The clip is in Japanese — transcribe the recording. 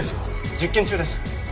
実験中です。